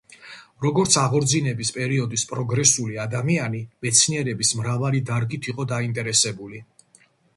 როგორც აღორძინების პერიოდის პროგრესული ადამიანი მეცნიერების მრავალი დარგით იყო დაინტერესებული.